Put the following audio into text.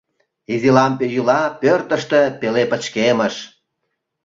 Изи лампе йӱла, пӧртыштӧ пеле пычкемыш.